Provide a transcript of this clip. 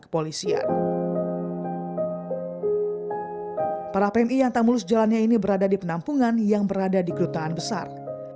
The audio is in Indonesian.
para pmi yang tak mulus jalannya ini berada di penampungan yang berada di kedutaan besar